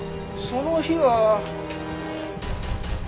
その日は。